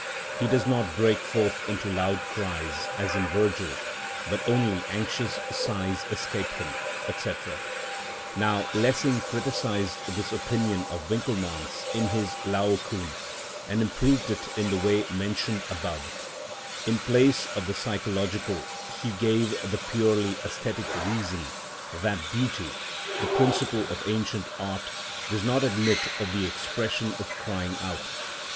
He does not break forth into loud cries, as in Virgil, but only anxious sighs escape him," &c. (Works, vol. vii. p. 98, and at greater length in vol. vi. p. 104). Now Lessing criticised this opinion of Winckelmann's in his Laocoon, and improved it in the way mentioned above. In place of the psychological he gave the purely æsthetic reason that beauty, the principle of ancient art, does not admit of the expression of crying out.